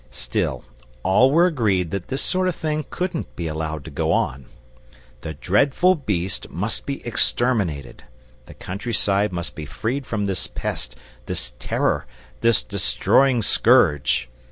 Still, all were agreed that this sort of thing couldn't be allowed to go on. The dreadful beast must be exterminated, the country side must be freed from this pest, this terror, this destroying scourge.